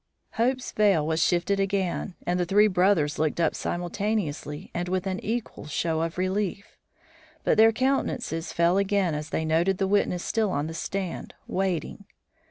Hope's veil was shifted again, and the three brothers looked up simultaneously and with an equal show of relief. But their countenances fell again as they noted the witness still on the stand waiting.